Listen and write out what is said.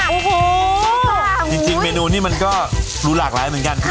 โอ้โหจริงเมนูนี้มันก็รู้หลากหลายเหมือนกัน